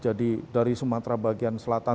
jadi dari sumatera bagian selatan